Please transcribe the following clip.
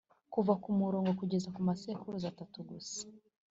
kuva kumurongo kugeza kumasekuruza atatu gusa